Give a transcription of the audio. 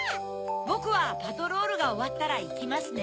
ボクはパトロールがおわったらいきますね。